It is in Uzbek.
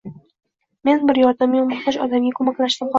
Men bir yordamga muhtoj odamga koʻmaklashdim, xolos